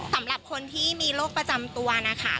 สำหรับคนที่มีโรคประจำตัวนะคะ